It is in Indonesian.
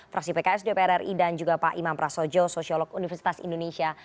fraksi pks dpr ri dan juga pak imam prasojo sosiolog universitas indonesia